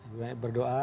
lebih banyak berdoa